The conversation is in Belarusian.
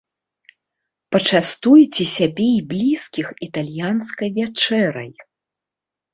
Пачастуйце сябе і блізкіх італьянскай вячэрай.